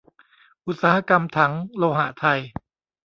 อุตสาหกรรมถังโลหะไทย